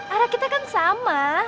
arah kita kan sama